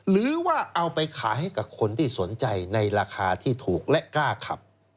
หรือว่าเอาไปขายให้กับคนที่สนใจในราคาที่ถูกและกล้าขับ